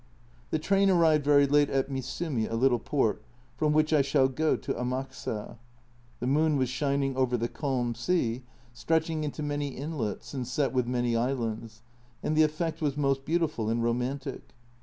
The train arrived very late at Misumi, a little port, from which I shall go to Amakusa. The moon was shining over the calm sea, stretching into many inlets and set with many islands, and the effect was most beautiful and romantic.